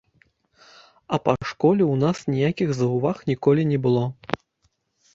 А па школе ў нас ніякіх заўваг ніколі не было.